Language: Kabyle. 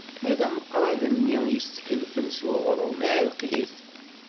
Ma d ameqrad-nni yestkellfen s uɣrum, iɛelleq-it.